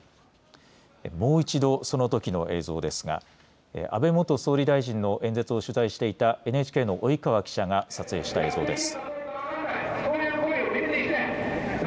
もう一度そのときの映像ですが安倍元総理大臣の演説を取材していたＮＨＫの及川記者が撮影した映像です。